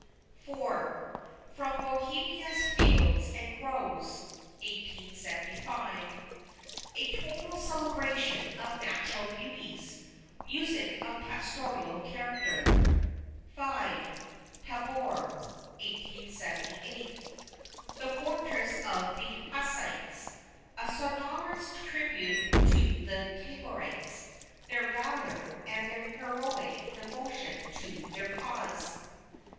IV. "FROM BOHEMIA'S FIELDS AND GROVES" A tonal celebration of natural beauties; music of pastoral character. V. "TABOR" The fortress of the Hussites. A sonorous tribute to the Taborites, their valor, and their heroic devotion to their cause.